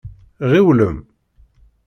Ɣiwlem!